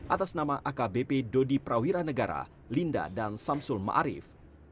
atas nama akbp dodi prawira negara linda dan samsul ⁇ maarif ⁇